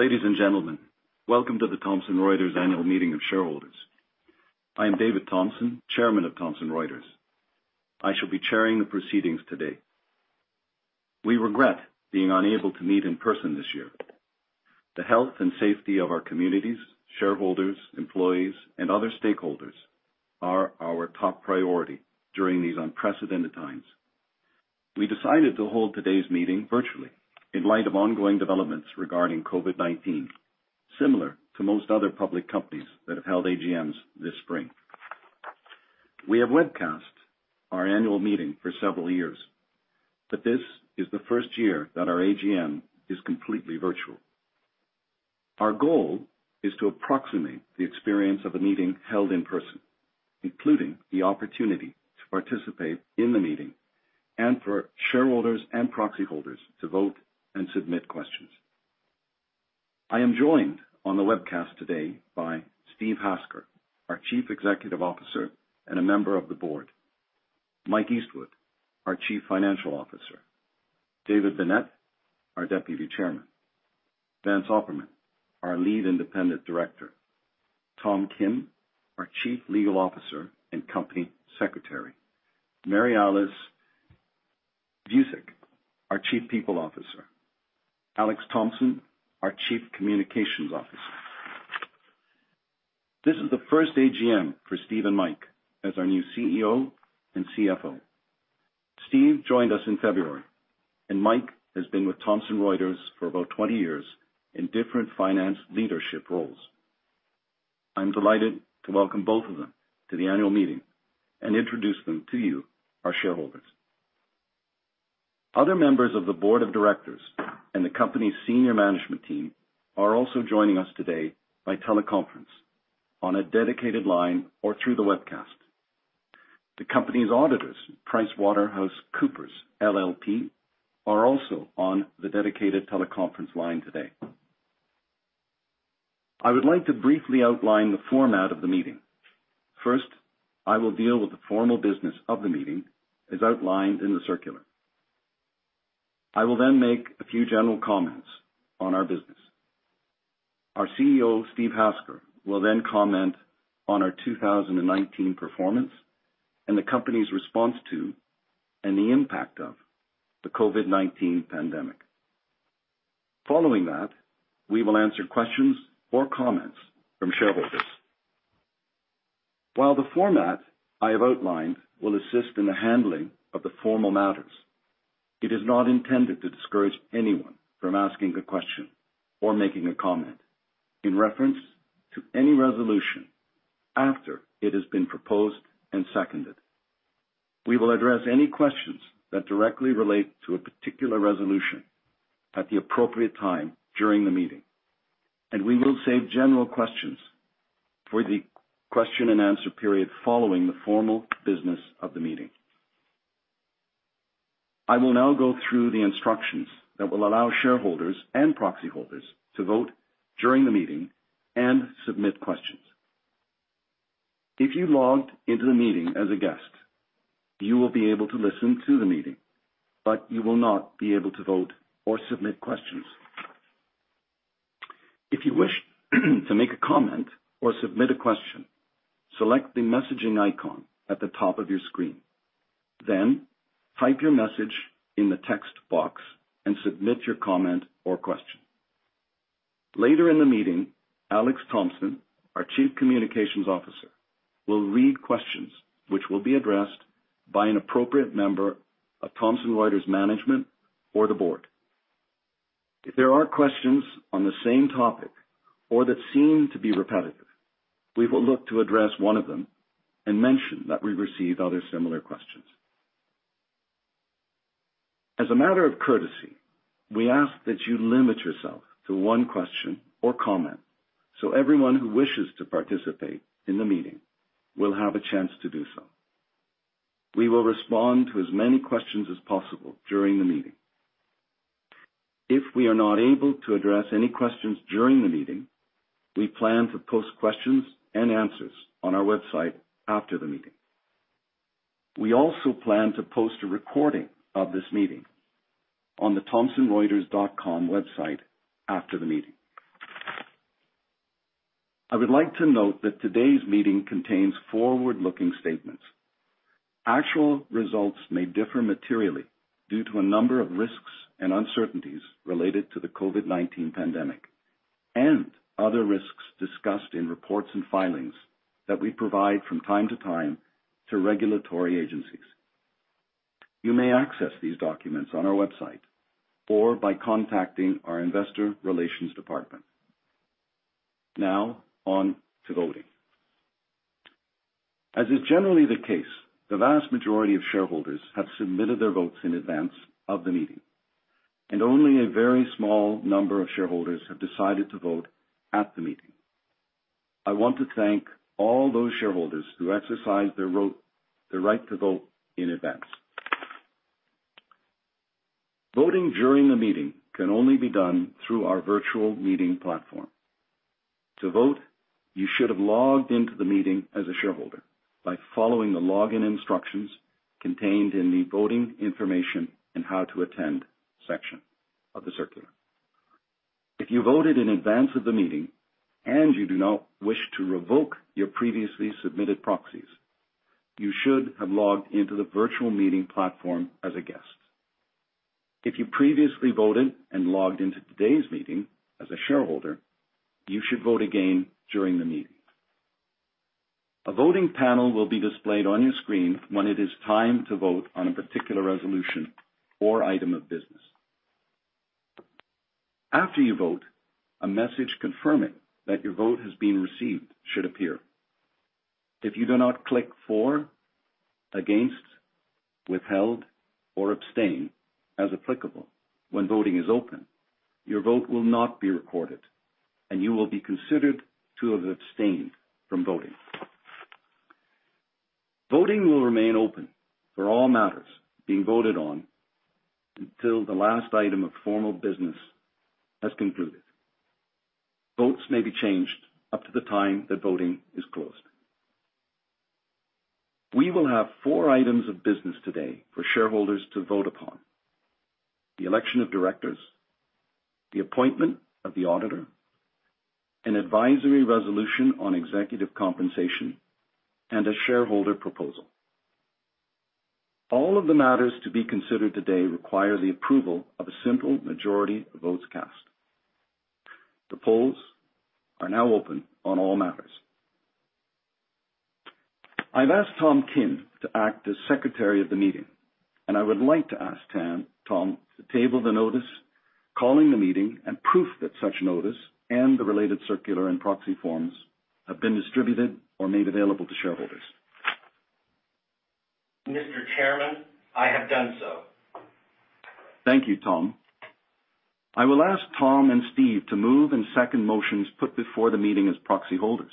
Ladies and gentlemen, welcome to the Thomson Reuters Annual Meeting of Shareholders. I am David Thomson, Chairman of Thomson Reuters. I shall be chairing the proceedings today. We regret being unable to meet in person this year. The health and safety of our communities, shareholders, employees, and other stakeholders are our top priority during these unprecedented times. We decided to hold today's meeting virtually in light of ongoing developments regarding COVID-19, similar to most other public companies that have held AGMs this spring. We have webcast our annual meeting for several years, but this is the first year that our AGM is completely virtual. Our goal is to approximate the experience of a meeting held in person, including the opportunity to participate in the meeting and for shareholders and proxy holders to vote and submit questions. I am joined on the webcast today by Steve Hasker, our Chief Executive Officer and a member of the board, Mike Eastwood, our Chief Financial Officer, David Binet our Deputy Chairman, Vance Opperman, our Lead Independent Director, Tom Kim, our Chief Legal Officer and Company Secretary, Mary Alice Vuicic, our Chief People Officer, Alex Thomson, our Chief Communications Officer. This is the first AGM for Steve and Mike as our new CEO and CFO. Steve joined us in February, and Mike has been with Thomson Reuters for about 20 years in different finance leadership roles. I'm delighted to welcome both of them to the annual meeting and introduce them to you, our shareholders. Other members of the Board of Directors and the company's senior management team are also joining us today by teleconference on a dedicated line or through the webcast. The company's auditors, PricewaterhouseCoopers LLP, are also on the dedicated teleconference line today. I would like to briefly outline the format of the meeting. First, I will deal with the formal business of the meeting as outlined in the circular. I will then make a few general comments on our business. Our CEO, Steve Hasker, will then comment on our 2019 performance and the company's response to and the impact of the COVID-19 pandemic. Following that, we will answer questions or comments from shareholders. While the format I have outlined will assist in the handling of the formal matters, it is not intended to discourage anyone from asking a question or making a comment in reference to any resolution after it has been proposed and seconded. We will address any questions that directly relate to a particular resolution at the appropriate time during the meeting, and we will save general questions for the question and answer period following the formal business of the meeting. I will now go through the instructions that will allow shareholders and proxy holders to vote during the meeting and submit questions. If you logged into the meeting as a guest, you will be able to listen to the meeting, but you will not be able to vote or submit questions. If you wish to make a comment or submit a question, select the messaging icon at the top of your screen. Then type your message in the text box and submit your comment or question. Later in the meeting, Alex Thomson, our Chief Communications Officer, will read questions which will be addressed by an appropriate member of Thomson Reuters management or the board. If there are questions on the same topic or that seem to be repetitive, we will look to address one of them and mention that we received other similar questions. As a matter of courtesy, we ask that you limit yourself to one question or comment so everyone who wishes to participate in the meeting will have a chance to do so. We will respond to as many questions as possible during the meeting. If we are not able to address any questions during the meeting, we plan to post questions and answers on our website after the meeting. We also plan to post a recording of this meeting on the thomsonreuters.com website after the meeting. I would like to note that today's meeting contains forward-looking statements. Actual results may differ materially due to a number of risks and uncertainties related to the COVID-19 pandemic and other risks discussed in reports and filings that we provide from time to time to regulatory agencies. You may access these documents on our website or by contacting our Investor Relations Department. Now, on to voting. As is generally the case, the vast majority of shareholders have submitted their votes in advance of the meeting, and only a very small number of shareholders have decided to vote at the meeting. I want to thank all those shareholders who exercised their right to vote in advance. Voting during the meeting can only be done through our virtual meeting platform. To vote, you should have logged into the meeting as a shareholder by following the login instructions contained in the voting information and how to attend section of the circular. If you voted in advance of the meeting and you do not wish to revoke your previously submitted proxies, you should have logged into the virtual meeting platform as a guest. If you previously voted and logged into today's meeting as a shareholder, you should vote again during the meeting. A voting panel will be displayed on your screen when it is time to vote on a particular resolution or item of business. After you vote, a message confirming that your vote has been received should appear. If you do not click for, against, withheld, or abstain as applicable when voting is open, your vote will not be recorded, and you will be considered to have abstained from voting. Voting will remain open for all matters being voted on until the last item of formal business has concluded. Votes may be changed up to the time that voting is closed. We will have four items of business today for shareholders to vote upon: the election of directors, the appointment of the auditor, an advisory resolution on executive compensation, and a shareholder proposal. All of the matters to be considered today require the approval of a simple majority of votes cast. The polls are now open on all matters. I've asked Tom Kim to act as secretary of the meeting, and I would like to ask Tom to table the notice calling the meeting and proof that such notice and the related circular and proxy forms have been distributed or made available to shareholders. Mr. Chairman, I have done so. Thank you, Tom. I will ask Tom and Steve to move and second motions put before the meeting as proxy holders.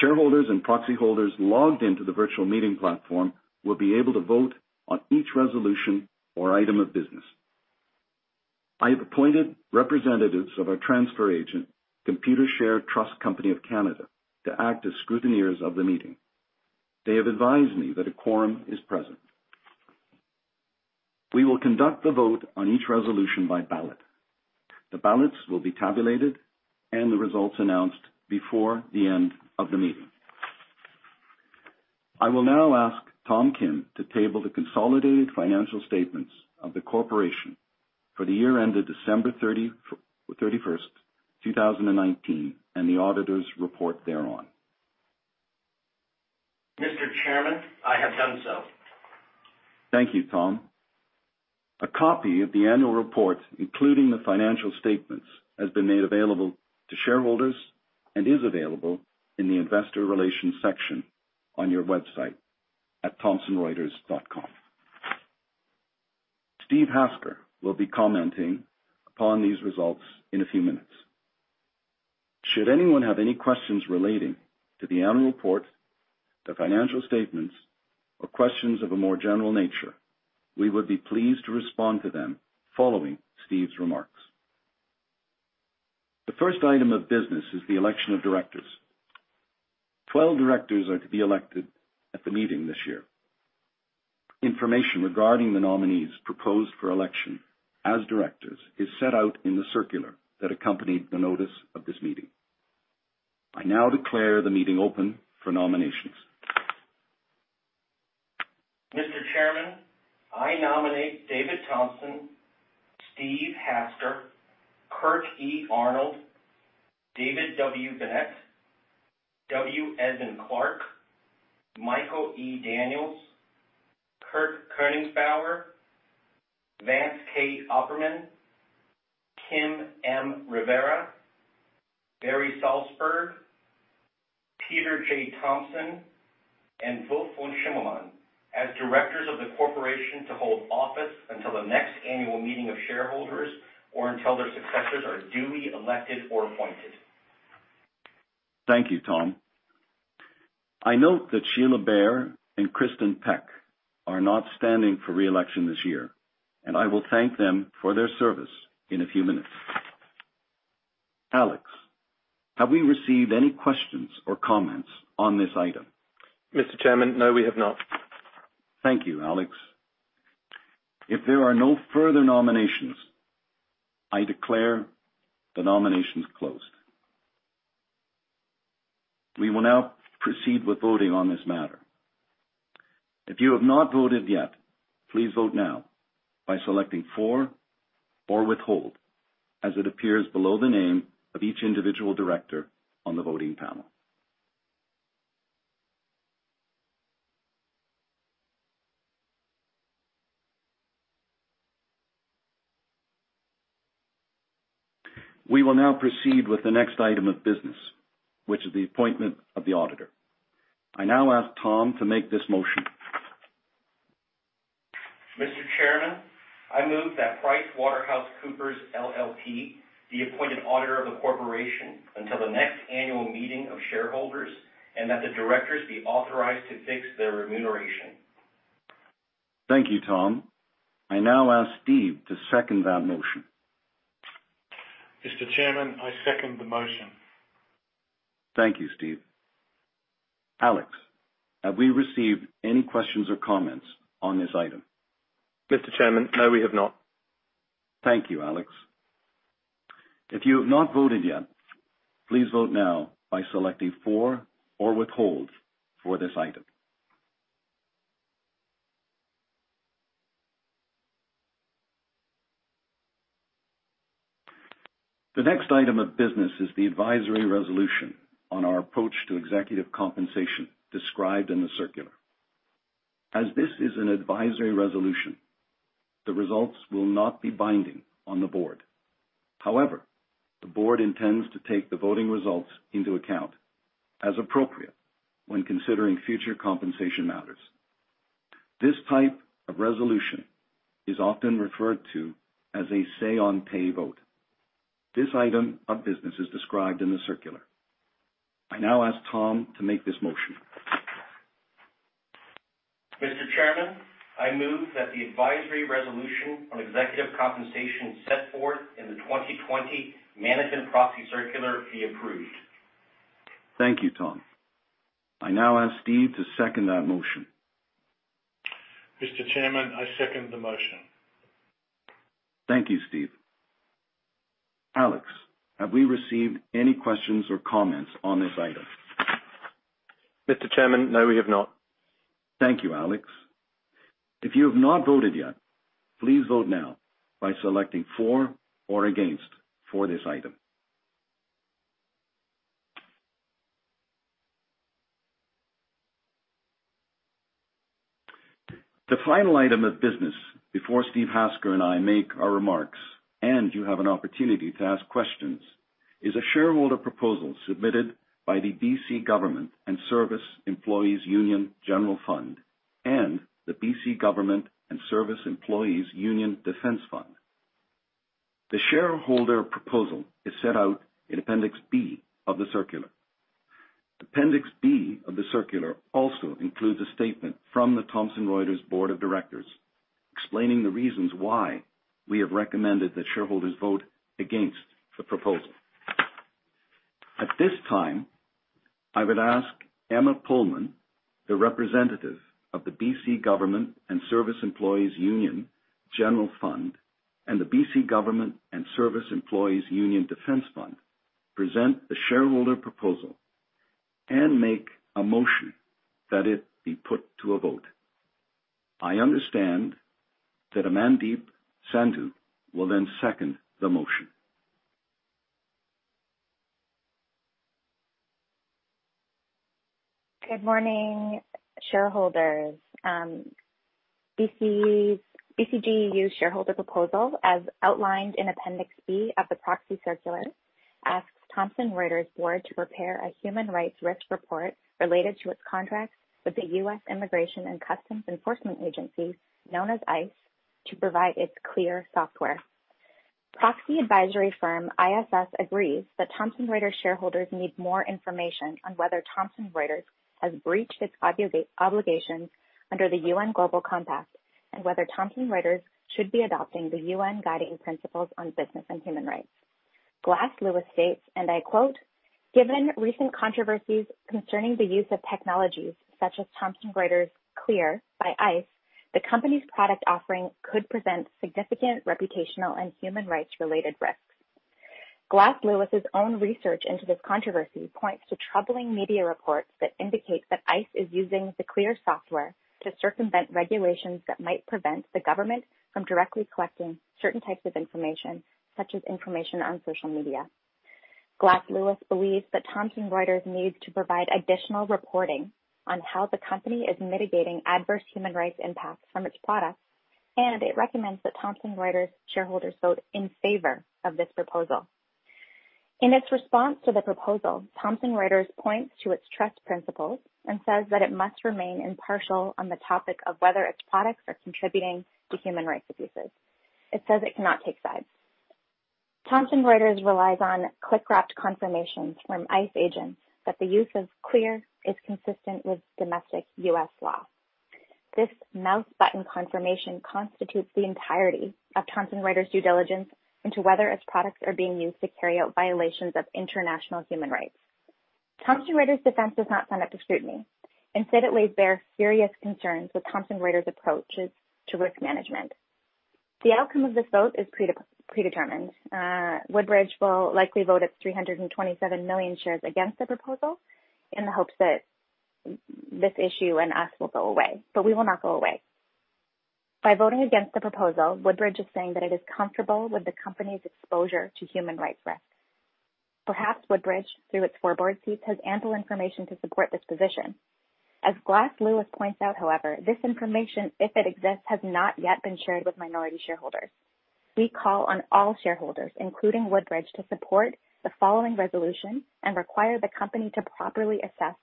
Shareholders and proxy holders logged into the virtual meeting platform will be able to vote on each resolution or item of business. I have appointed representatives of our transfer agent, Computershare Trust Company of Canada, to act as scrutineers of the meeting. They have advised me that a quorum is present. We will conduct the vote on each resolution by ballot. The ballots will be tabulated and the results announced before the end of the meeting. I will now ask Tom Kim to table the consolidated financial statements of the corporation for the year ended December 31st, 2019, and the auditor's report thereon. Mr. Chairman, I have done so. Thank you, Tom. A copy of the annual report, including the financial statements, has been made available to shareholders and is available in the Investor Relations section on your website at thomsonreuters.com. Steve Hasker will be commenting upon these results in a few minutes. Should anyone have any questions relating to the annual report, the financial statements, or questions of a more general nature, we would be pleased to respond to them following Steve's remarks. The first item of business is the election of directors. 12 directors are to be elected at the meeting this year. Information regarding the nominees proposed for election as directors is set out in the circular that accompanied the notice of this meeting. I now declare the meeting open for nominations. Mr. Chairman, I nominate David Thomson, Steve Hasker, Kirk E. Arnold, David W. Binet, W. Edmund Clark, Michael E. Daniels, Kirk Koenigsbauer, Vance K. Opperman, Kim M. Rivera, Barry Salzberg, Peter J. Thomson, and Wulf von Schimmelmann as directors of the corporation to hold office until the next annual meeting of shareholders or until their successors are duly elected or appointed. Thank you, Tom. I note that Sheila Bair and Kristin Peck are not standing for reelection this year, and I will thank them for their service in a few minutes. Alex, have we received any questions or comments on this item? Mr. Chairman, no, we have not. Thank you, Alex. If there are no further nominations, I declare the nominations closed. We will now proceed with voting on this matter. If you have not voted yet, please vote now by selecting for or withhold as it appears below the name of each individual director on the voting panel. We will now proceed with the next item of business, which is the appointment of the auditor. I now ask Tom to make this motion. Mr. Chairman, I move that PricewaterhouseCoopers LLP be appointed auditor of the corporation until the next annual meeting of shareholders and that the directors be authorized to fix their remuneration. Thank you, Tom. I now ask Steve to second that motion. Mr. Chairman, I second the motion. Thank you, Steve. Alex, have we received any questions or comments on this item? Mr. Chairman, no, we have not. Thank you, Alex. If you have not voted yet, please vote now by selecting for or withhold for this item. The next item of business is the advisory resolution on our approach to executive compensation described in the circular. As this is an advisory resolution, the results will not be binding on the board. However, the board intends to take the voting results into account as appropriate when considering future compensation matters. This type of resolution is often referred to as a say-on-pay vote. This item of business is described in the circular. I now ask Tom to make this motion. Mr. Chairman, I move that the advisory resolution on executive compensation set forth in the 2020 Management Proxy Circular be approved. Thank you, Tom. I now ask Steve to second that motion. Mr. Chairman, I second the motion. Thank you, Steve. Alex, have we received any questions or comments on this item? Mr. Chairman, no, we have not. Thank you, Alex. If you have not voted yet, please vote now by selecting for or against for this item. The final item of business before Steve Hasker and I make our remarks, and you have an opportunity to ask questions, is a shareholder proposal submitted by the BC Government and Service Employees' Union General Fund and the BC Government and Service Employees' Union Defense Fund. The shareholder proposal is set out in Appendix B of the circular. Appendix B of the circular also includes a statement from the Thomson Reuters Board of Directors explaining the reasons why we have recommended that shareholders vote against the proposal. At this time, I would ask Emma Pullman, the representative of the BC Government and Service Employees' Union General Fund and the BC Government and Service Employees' Union Defense Fund, present the shareholder proposal and make a motion that it be put to a vote. I understand that Amandeep Sandhu will then second the motion. Good morning, shareholders. BCGEU's shareholder proposal, as outlined in Appendix B of the proxy circular, asks Thomson Reuters board to prepare a human rights risk report related to its contract with the U.S. Immigration and Customs Enforcement Agency, known as ICE, to provide its CLEAR software. Proxy advisory firm ISS agrees that Thomson Reuters shareholders need more information on whether Thomson Reuters has breached its obligations under the U.N. Global Compact and whether Thomson Reuters should be adopting the U.N. Guiding Principles on Business and Human Rights. Glass Lewis states, and I quote, "Given recent controversies concerning the use of technologies such as Thomson Reuters CLEAR by ICE, the company's product offering could present significant reputational and human rights-related risks." Glass Lewis' own research into this controversy points to troubling media reports that indicate that ICE is using the CLEAR software to circumvent regulations that might prevent the government from directly collecting certain types of information, such as information on social media. Glass Lewis believes that Thomson Reuters needs to provide additional reporting on how the company is mitigating adverse human rights impacts from its products, and it recommends that Thomson Reuters shareholders vote in favor of this proposal. In its response to the proposal, Thomson Reuters points to its Trust Principles and says that it must remain impartial on the topic of whether its products are contributing to human rights abuses. It says it cannot take sides. Thomson Reuters relies on click-wrapped confirmations from ICE agents that the use of CLEAR is consistent with domestic U.S. law. This mouse-button confirmation constitutes the entirety of Thomson Reuters' due diligence into whether its products are being used to carry out violations of international human rights. Thomson Reuters' defense does not sign up to scrutiny. Instead, it lays bare serious concerns with Thomson Reuters' approaches to risk management. The outcome of this vote is predetermined. Woodbridge will likely vote its 327 million shares against the proposal in the hopes that this issue and us will go away, but we will not go away. By voting against the proposal, Woodbridge is saying that it is comfortable with the company's exposure to human rights risks. Perhaps Woodbridge, through its four board seats, has ample information to support this position. As Glass Lewis points out, however, this information, if it exists, has not yet been shared with minority shareholders. We call on all shareholders, including Woodbridge, to support the following resolution and require the company to properly assess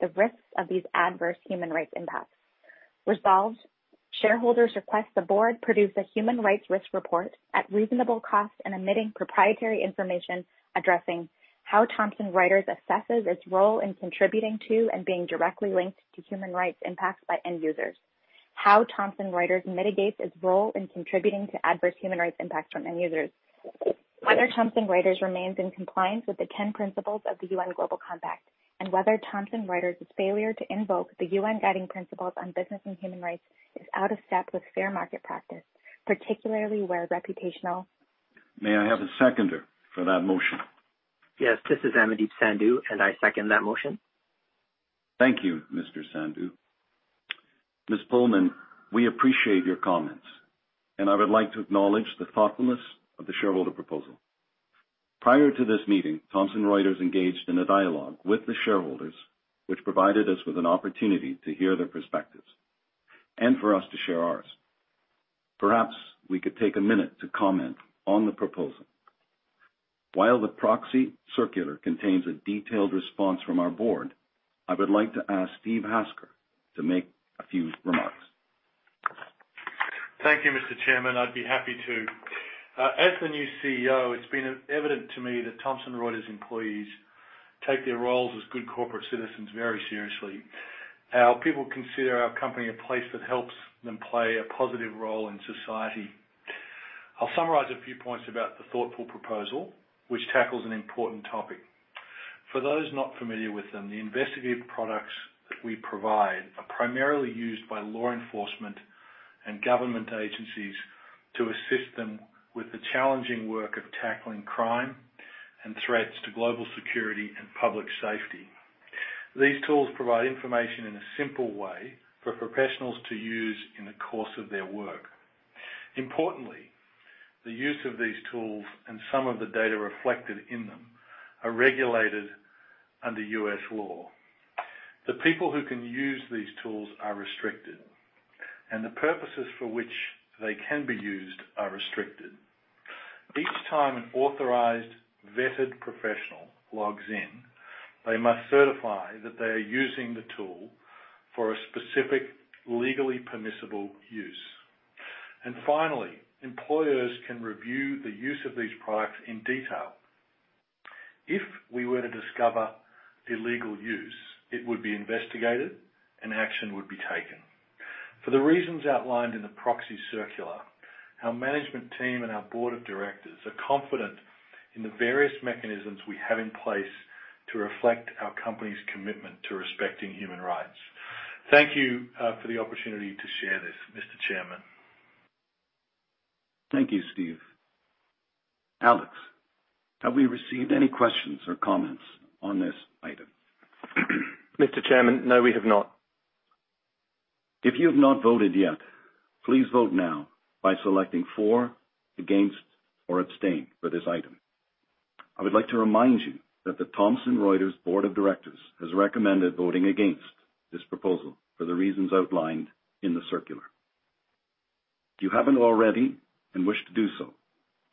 the risks of these adverse human rights impacts. Resolved, shareholders request the board produce a human rights risk report at reasonable cost and omitting proprietary information addressing how Thomson Reuters assesses its role in contributing to and being directly linked to human rights impacts by end users, how Thomson Reuters mitigates its role in contributing to adverse human rights impacts from end users, whether Thomson Reuters remains in compliance with the 10 principles of the U.N. Global Compact, and whether Thomson Reuters' failure to invoke the U.N. guiding principles on business and human rights is out of step with fair market practice, particularly where reputational. May I have a seconder for that motion? Yes, this is Amandeep Sandhu, and I second that motion. Thank you, Mr. Sandhu. Ms. Pullman, we appreciate your comments, and I would like to acknowledge the thoughtfulness of the shareholder proposal. Prior to this meeting, Thomson Reuters engaged in a dialogue with the shareholders, which provided us with an opportunity to hear their perspectives and for us to share ours. Perhaps we could take a minute to comment on the proposal. While the proxy circular contains a detailed response from our board, I would like to ask Steve Hasker to make a few remarks. Thank you, Mr. Chairman. I'd be happy to. As the new CEO, it's been evident to me that Thomson Reuters' employees take their roles as good corporate citizens very seriously. How people consider our company a place that helps them play a positive role in society. I'll summarize a few points about the thoughtful proposal, which tackles an important topic. For those not familiar with them, the investigative products that we provide are primarily used by law enforcement and government agencies to assist them with the challenging work of tackling crime and threats to global security and public safety. These tools provide information in a simple way for professionals to use in the course of their work. Importantly, the use of these tools and some of the data reflected in them are regulated under U.S. law. The people who can use these tools are restricted, and the purposes for which they can be used are restricted. Each time an authorized, vetted professional logs in, they must certify that they are using the tool for a specific legally permissible use. And finally, employers can review the use of these products in detail. If we were to discover illegal use, it would be investigated, and action would be taken. For the reasons outlined in the proxy circular, our management team and our board of directors are confident in the various mechanisms we have in place to reflect our company's commitment to respecting human rights. Thank you for the opportunity to share this, Mr. Chairman. Thank you, Steve. Alex, have we received any questions or comments on this item? Mr. Chairman, no, we have not. If you have not voted yet, please vote now by selecting for, against, or abstain for this item. I would like to remind you that the Thomson Reuters Board of Directors has recommended voting against this proposal for the reasons outlined in the circular. If you haven't already and wish to do so,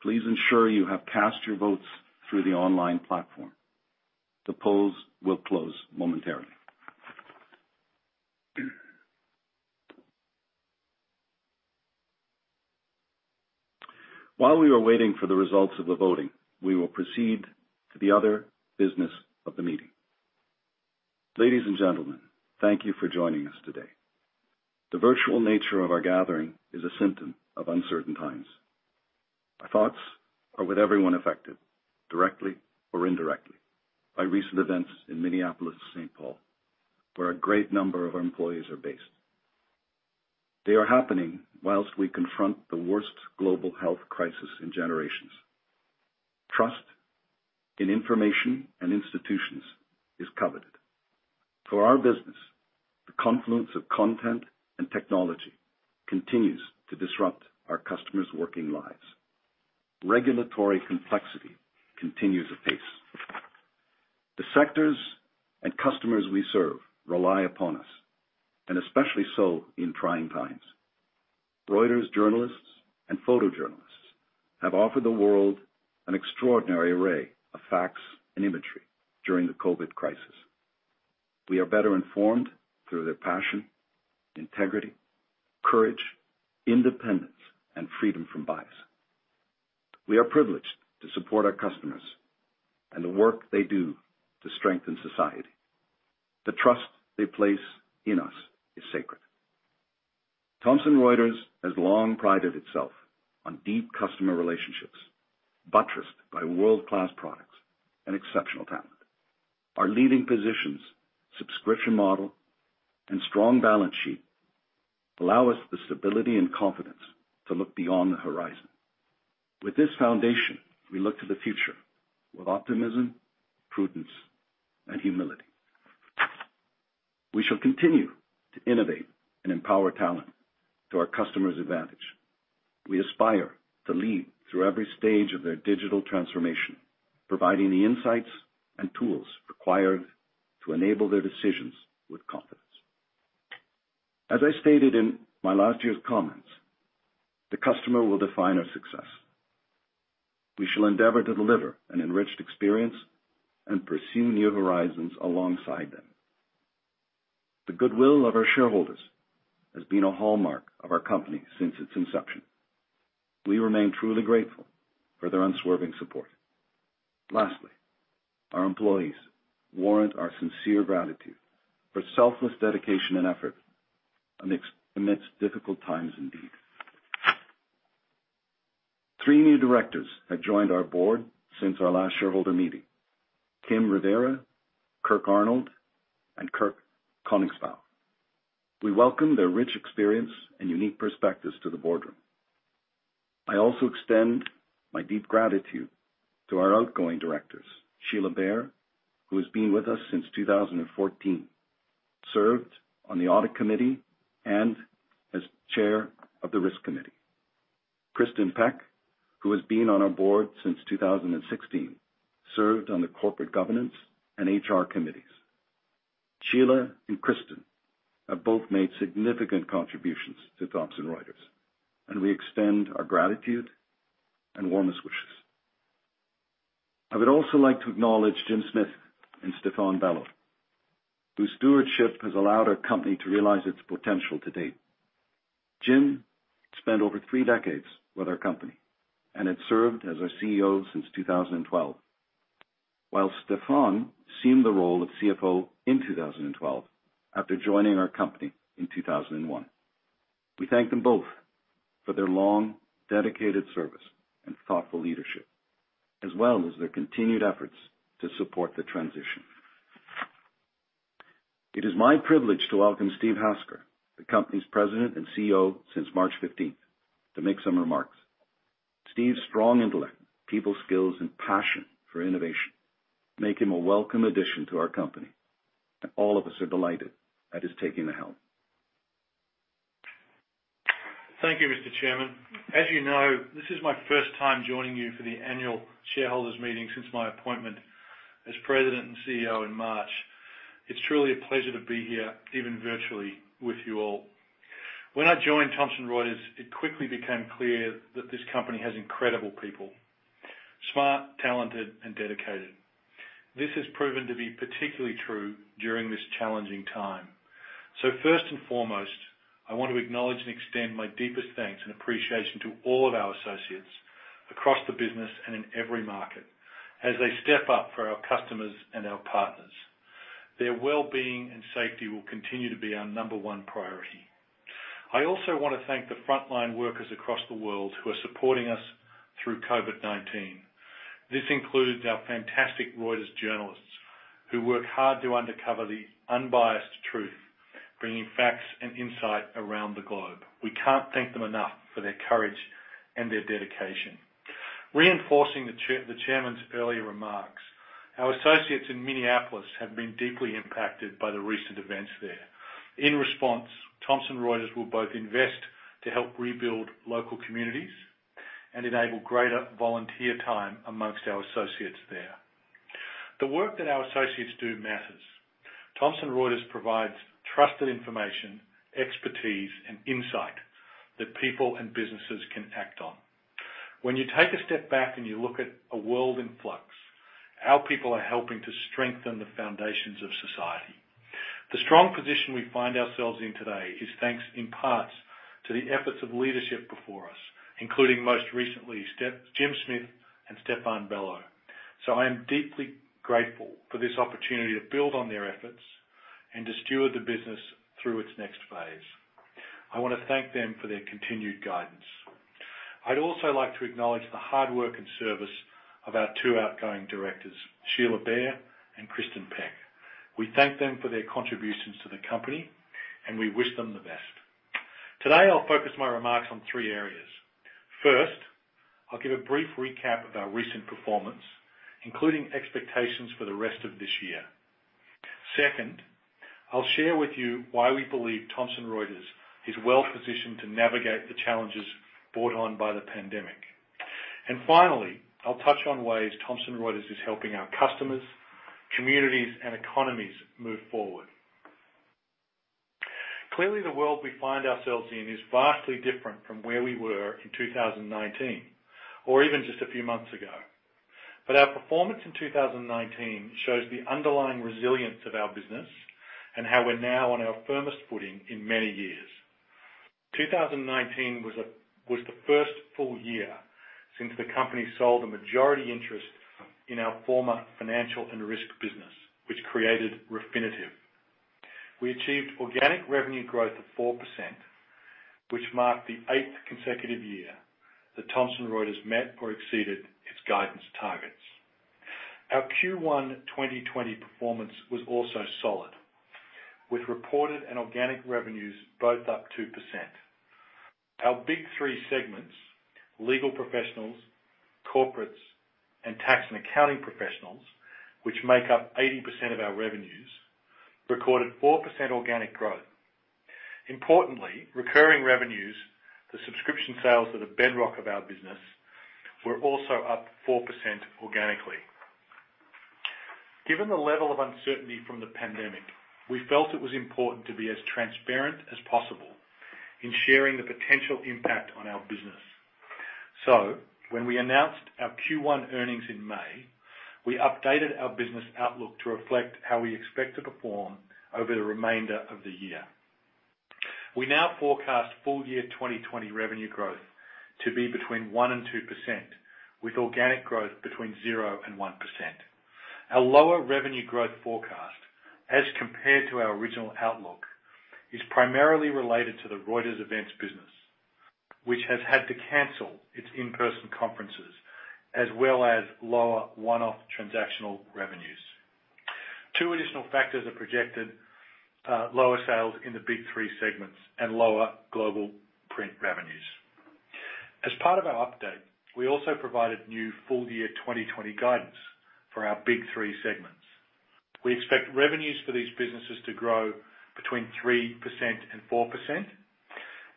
please ensure you have cast your votes through the online platform. The polls will close momentarily. While we are waiting for the results of the voting, we will proceed to the other business of the meeting. Ladies and gentlemen, thank you for joining us today. The virtual nature of our gathering is a symptom of uncertain times. Our thoughts are with everyone affected, directly or indirectly, by recent events in Minneapolis-St. Paul, where a great number of our employees are based. They are happening whilst we confront the worst global health crisis in generations. Trust in information and institutions is coveted. For our business, the confluence of content and technology continues to disrupt our customers' working lives. Regulatory complexity continues apace. The sectors and customers we serve rely upon us, and especially so in trying times. Reuters journalists and photojournalists have offered the world an extraordinary array of facts and imagery during the COVID crisis. We are better informed through their passion, integrity, courage, independence, and freedom from bias. We are privileged to support our customers and the work they do to strengthen society. The trust they place in us is sacred. Thomson Reuters has long prided itself on deep customer relationships, buttressed by world-class products and exceptional talent. Our leading positions, subscription model, and strong balance sheet allow us the stability and confidence to look beyond the horizon. With this foundation, we look to the future with optimism, prudence, and humility. We shall continue to innovate and empower talent to our customers' advantage. We aspire to lead through every stage of their digital transformation, providing the insights and tools required to enable their decisions with confidence. As I stated in my last year's comments, the customer will define our success. We shall endeavor to deliver an enriched experience and pursue new horizons alongside them. The goodwill of our shareholders has been a hallmark of our company since its inception. We remain truly grateful for their unswerving support. Lastly, our employees warrant our sincere gratitude for selfless dedication and effort amidst difficult times indeed. Three new directors have joined our board since our last shareholder meeting: Kim Rivera, Kirk Arnold, and Kirk Koenigsbauer. We welcome their rich experience and unique perspectives to the boardroom. I also extend my deep gratitude to our outgoing directors: Sheila Bair, who has been with us since 2014, served on the Audit Committee and as chair of the Risk Committee. Kristin Peck, who has been on our board since 2016, served on the Corporate Governance and HR Committees. Sheila and Kristin have both made significant contributions to Thomson Reuters, and we extend our gratitude and warmest wishes. I would also like to acknowledge Jim Smith and Stéphane Bello, whose stewardship has allowed our company to realize its potential to date. Jim spent over three decades with our company and had served as our CEO since 2012, while Stéphane assumed the role of CFO in 2012 after joining our company in 2001. We thank them both for their long, dedicated service and thoughtful leadership, as well as their continued efforts to support the transition. It is my privilege to welcome Steve Hasker, the company's President and CEO since March 15, to make some remarks. Steve's strong intellect, people skills, and passion for innovation make him a welcome addition to our company, and all of us are delighted at his taking the helm. Thank you, Mr. Chairman. As you know, this is my first time joining you for the annual shareholders meeting since my appointment as President and CEO in March. It's truly a pleasure to be here, even virtually, with you all. When I joined Thomson Reuters, it quickly became clear that this company has incredible people: smart, talented, and dedicated. This has proven to be particularly true during this challenging time. So first and foremost, I want to acknowledge and extend my deepest thanks and appreciation to all of our associates across the business and in every market as they step up for our customers and our partners. Their well-being and safety will continue to be our number one priority. I also want to thank the frontline workers across the world who are supporting us through COVID-19. This includes our fantastic Reuters journalists who work hard to uncover the unbiased truth, bringing facts and insight around the globe. We can't thank them enough for their courage and their dedication. Reinforcing the chairman's earlier remarks, our associates in Minneapolis have been deeply impacted by the recent events there. In response, Thomson Reuters will both invest to help rebuild local communities and enable greater volunteer time among our associates there. The work that our associates do matters. Thomson Reuters provides trusted information, expertise, and insight that people and businesses can act on. When you take a step back and you look at a world in flux, our people are helping to strengthen the foundations of society. The strong position we find ourselves in today is thanks in part to the efforts of leadership before us, including most recently Jim Smith and Stéphane Bello. I am deeply grateful for this opportunity to build on their efforts and to steward the business through its next phase. I want to thank them for their continued guidance. I'd also like to acknowledge the hard work and service of our two outgoing directors, Sheila Bair and Kristin Peck. We thank them for their contributions to the company, and we wish them the best. Today, I'll focus my remarks on three areas. First, I'll give a brief recap of our recent performance, including expectations for the rest of this year. Second, I'll share with you why we believe Thomson Reuters is well-positioned to navigate the challenges brought on by the pandemic. And finally, I'll touch on ways Thomson Reuters is helping our customers, communities, and economies move forward. Clearly, the world we find ourselves in is vastly different from where we were in 2019 or even just a few months ago. But our performance in 2019 shows the underlying resilience of our business and how we're now on our firmest footing in many years. 2019 was the first full year since the company sold a majority interest in our former financial and risk business, which created Refinitiv. We achieved organic revenue growth of 4%, which marked the eighth consecutive year that Thomson Reuters met or exceeded its guidance targets. Our Q1 2020 performance was also solid, with reported and organic revenues both up 2%. Our Big Three segments, Legal Professionals, Corporates, and Tax & Accounting Professionals, which make up 80% of our revenues, recorded 4% organic growth. Importantly, recurring revenues, the subscription sales that are the bedrock of our business, were also up 4% organically. Given the level of uncertainty from the pandemic, we felt it was important to be as transparent as possible in sharing the potential impact on our business. So when we announced our Q1 earnings in May, we updated our business outlook to reflect how we expect to perform over the remainder of the year. We now forecast full year 2020 revenue growth to be between 1% and 2%, with organic growth between 0% and 1%. Our lower revenue growth forecast, as compared to our original outlook, is primarily related to the Reuters Events business, which has had to cancel its in-person conferences as well as lower one-off transactional revenues. Two additional factors are projected: lower sales in the Big Three segments and lower Global Print revenues. As part of our update, we also provided new full year 2020 guidance for our Big Three segments. We expect revenues for these businesses to grow between 3% and 4%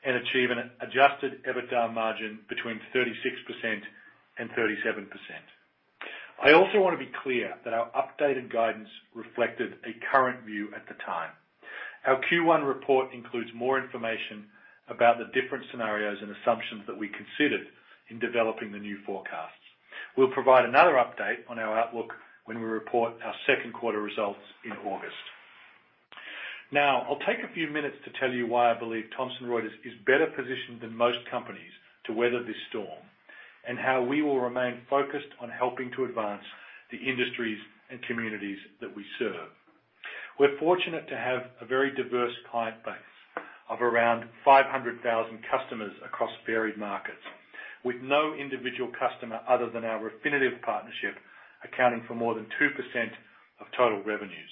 and achieve an Adjusted EBITDA margin between 36% and 37%. I also want to be clear that our updated guidance reflected a current view at the time. Our Q1 report includes more information about the different scenarios and assumptions that we considered in developing the new forecasts. We'll provide another update on our outlook when we report our second quarter results in August. Now, I'll take a few minutes to tell you why I believe Thomson Reuters is better positioned than most companies to weather this storm and how we will remain focused on helping to advance the industries and communities that we serve. We're fortunate to have a very diverse client base of around 500,000 customers across varied markets, with no individual customer other than our Refinitiv partnership accounting for more than 2% of total revenues.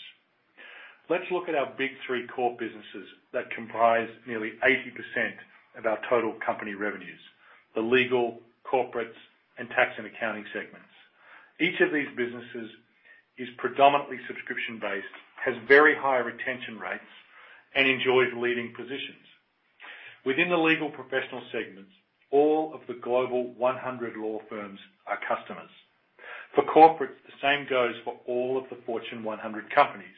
Let's look at our big three core businesses that comprise nearly 80% of our total company revenues: the Legal, Corporates, and Tax & Accounting segments. Each of these businesses is predominantly subscription-based, has very high retention rates, and enjoys leading positions. Within the legal professional segments, all of the Global 100 law firms are customers. For corporates, the same goes for all of the Fortune 100 companies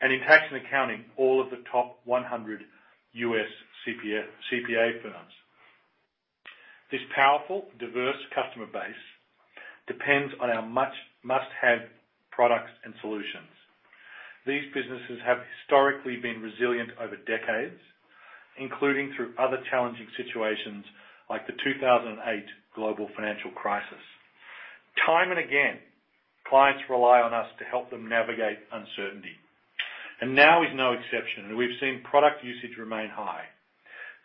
and, in tax and accounting, all of the top 100 U.S. CPA firms. This powerful, diverse customer base depends on our must-have products and solutions. These businesses have historically been resilient over decades, including through other challenging situations like the 2008 global financial crisis. Time and again, clients rely on us to help them navigate uncertainty, and now is no exception, and we've seen product usage remain high.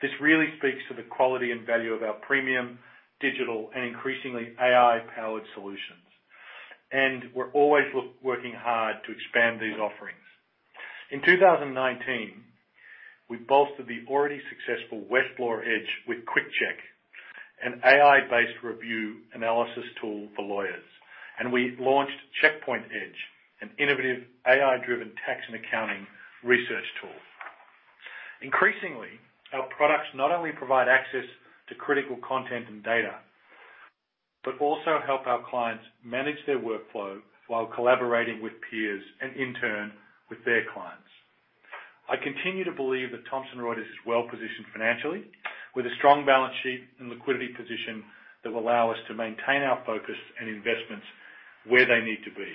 This really speaks to the quality and value of our premium digital and increasingly AI-powered solutions, and we're always working hard to expand these offerings. In 2019, we bolstered the already successful Westlaw Edge with Quick Check, an AI-based review analysis tool for lawyers, and we launched Checkpoint Edge, an innovative AI-driven tax and accounting research tool. Increasingly, our products not only provide access to critical content and data but also help our clients manage their workflow while collaborating with peers and, in turn, with their clients. I continue to believe that Thomson Reuters is well-positioned financially, with a strong balance sheet and liquidity position that will allow us to maintain our focus and investments where they need to be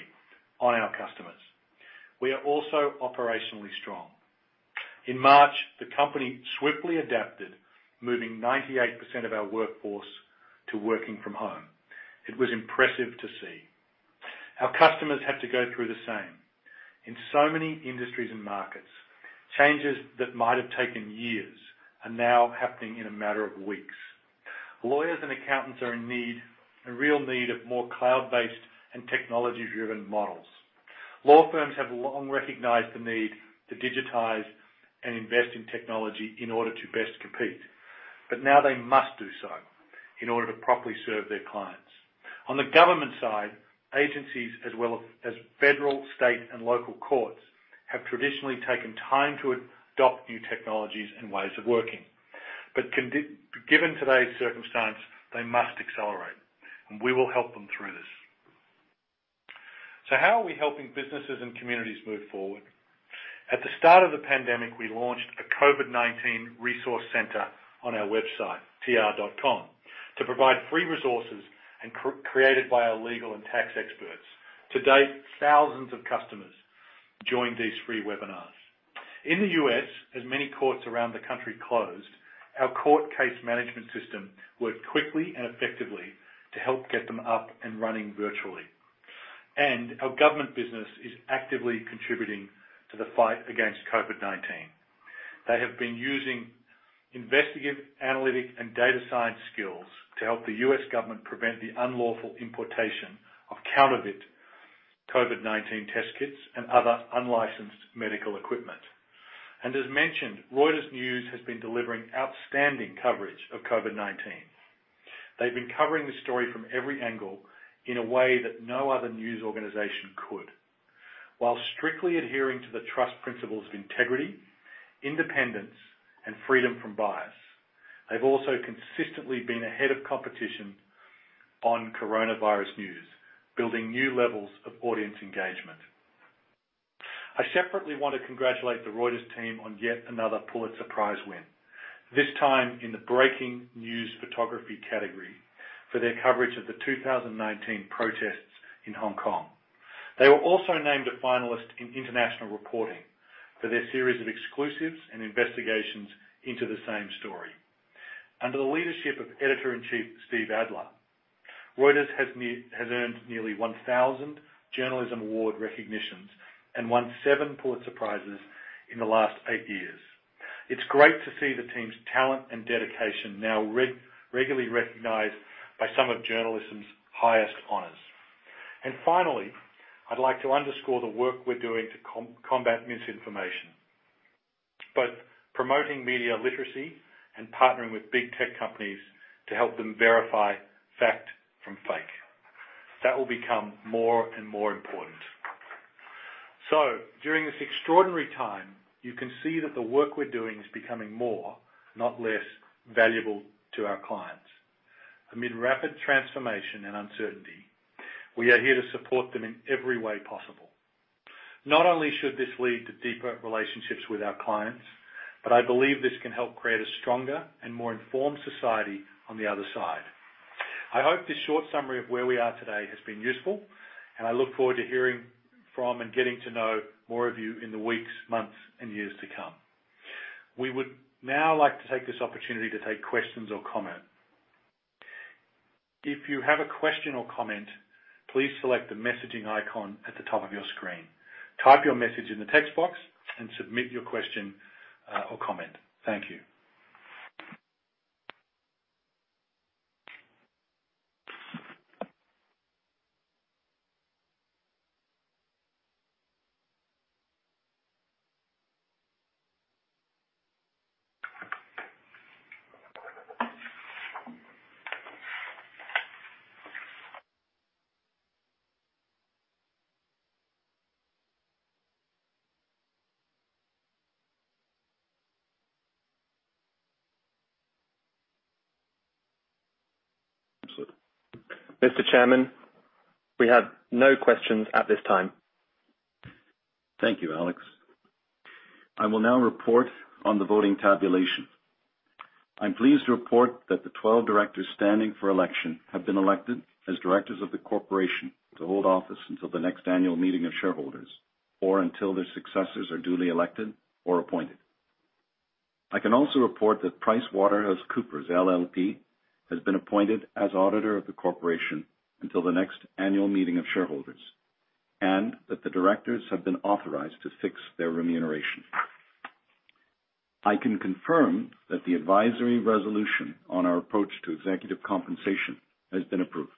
on our customers. We are also operationally strong. In March, the company swiftly adapted, moving 98% of our workforce to working from home. It was impressive to see. Our customers had to go through the same. In so many industries and markets, changes that might have taken years are now happening in a matter of weeks. Lawyers and accountants are in need, a real need of more cloud-based and technology-driven models. Law firms have long recognized the need to digitize and invest in technology in order to best compete. But now they must do so in order to properly serve their clients. On the government side, agencies as well as federal, state, and local courts have traditionally taken time to adopt new technologies and ways of working. But given today's circumstance, they must accelerate, and we will help them through this. So how are we helping businesses and communities move forward? At the start of the pandemic, we launched a COVID-19 Resource Center on our website, tr.com, to provide free resources created by our legal and tax experts. To date, thousands of customers joined these free webinars. In the U.S., as many courts around the country closed, our court case management system worked quickly and effectively to help get them up and running virtually. And our government business is actively contributing to the fight against COVID-19. They have been using investigative analytic and data science skills to help the U.S. government prevent the unlawful importation of counterfeit COVID-19 test kits and other unlicensed medical equipment. And as mentioned, Reuters News has been delivering outstanding coverage of COVID-19. They've been covering the story from every angle in a way that no other news organization could. While strictly adhering to the Trust Principles of integrity, independence, and freedom from bias, they've also consistently been ahead of competition on coronavirus news, building new levels of audience engagement. I separately want to congratulate the Reuters team on yet another Pulitzer Prize win, this time in the Breaking News Photography category for their coverage of the 2019 protests in Hong Kong. They were also named a finalist in International Reporting for their series of exclusives and investigations into the same story. Under the leadership of Editor-in-Chief Steve Adler, Reuters has earned nearly 1,000 journalism award recognitions and won seven Pulitzer Prizes in the last eight years. It's great to see the team's talent and dedication now regularly recognized by some of journalism's highest honors. And finally, I'd like to underscore the work we're doing to combat misinformation, both promoting media literacy and partnering with big tech companies to help them verify fact from fake. That will become more and more important. So during this extraordinary time, you can see that the work we're doing is becoming more, not less, valuable to our clients. Amid rapid transformation and uncertainty, we are here to support them in every way possible. Not only should this lead to deeper relationships with our clients, but I believe this can help create a stronger and more informed society on the other side. I hope this short summary of where we are today has been useful, and I look forward to hearing from and getting to know more of you in the weeks, months, and years to come. We would now like to take this opportunity to take questions or comment. If you have a question or comment, please select the messaging icon at the top of your screen. Type your message in the text box and submit your question or comment. Thank you. Mr. Chairman, we have no questions at this time. Thank you, Alex. I will now report on the voting tabulation. I'm pleased to report that the 12 directors standing for election have been elected as directors of the corporation to hold office until the next annual meeting of shareholders or until their successors are duly elected or appointed. I can also report that PricewaterhouseCoopers LLP has been appointed as auditor of the corporation until the next annual meeting of shareholders and that the directors have been authorized to fix their remuneration. I can confirm that the advisory resolution on our approach to executive compensation has been approved.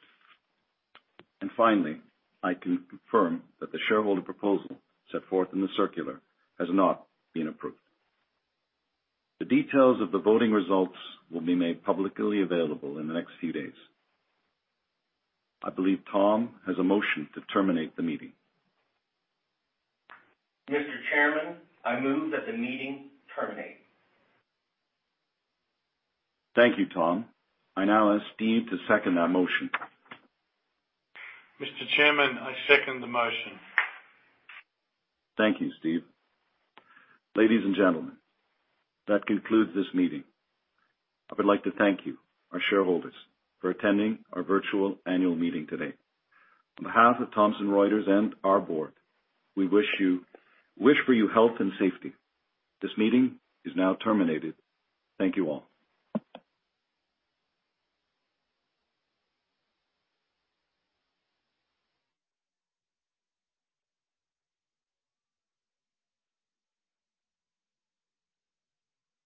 And finally, I can confirm that the shareholder proposal set forth in the circular has not been approved. The details of the voting results will be made publicly available in the next few days. I believe Tom has a motion to terminate the meeting. Mr. Chairman, I move that the meeting terminate. Thank you, Tom. I now ask Steve to second that motion. Mr. Chairman, I second the motion. Thank you, Steve. Ladies and gentlemen, that concludes this meeting. I would like to thank you, our shareholders, for attending our virtual annual meeting today. On behalf of Thomson Reuters and our board, we wish for you health and safety. This meeting is now terminated. Thank you all.